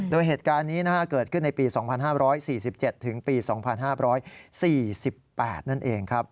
โดยเหตุการณ์นี้เกิดขึ้นในปี๒๕๔๗ถึงปี๒๕๔๘นั่นเองครับ